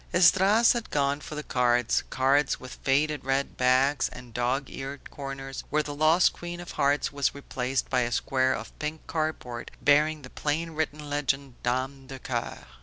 Esdras had gone for the cards; cards with faded red backs and dog eared corners, where the lost queen of hearts was replaced by a square of pink cardboard bearing the plainly written legend dame de coeur.